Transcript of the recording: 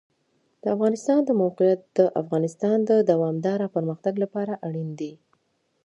د افغانستان د موقعیت د افغانستان د دوامداره پرمختګ لپاره اړین دي.